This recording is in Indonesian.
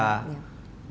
dari tim pemburu koruptor